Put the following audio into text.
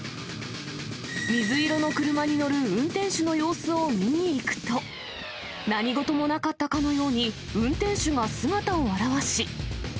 水色の車に乗る運転手の様子を見に行くと、何事もなかったかのように、運転手が姿を現し。